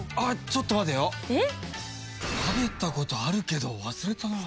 食べたことあるけど忘れたな。